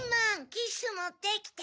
キッシュもってきて！